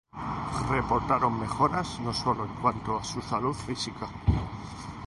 reportaron mejoras no solo en cuanto a su salud física